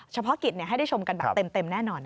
เฉพาะกิจให้ได้ชมกันแบบเต็มแน่นอน